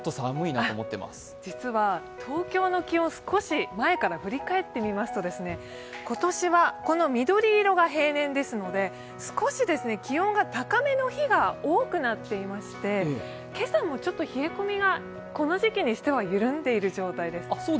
実は東京の気温、少し前から振り返ってみますと、この緑色が平年ですので、今年は少し気温が高めの日が多くなっていまして、今朝もちょっと冷え込みがこの時期にしては緩んでいる状態です。